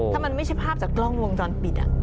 ถ้ามันไม่ใช่ภาพจากกล้องวงจรปิด